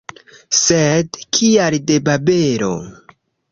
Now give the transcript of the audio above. Sed, kial de Babelo?